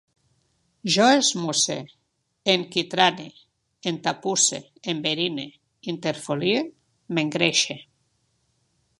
Jo esmusse, enquitrane, entapusse, enverine, interfolie, m'engreixe